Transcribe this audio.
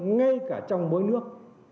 ngay cả trong mỗi nước